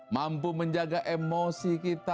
mampu menjaga emosi kita